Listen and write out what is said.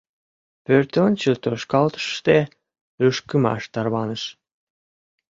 Пӧртӧнчыл тошкалтышыште лӱшкымаш тарваныш.